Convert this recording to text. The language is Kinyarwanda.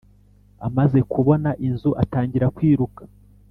amaze kubona inzu, atangira kwiruka.